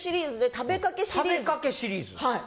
食べかけシリーズ？はい。